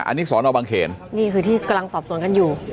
อันนี้สอนอบังเขนนี่คือที่กำลังสอบสวนกันอยู่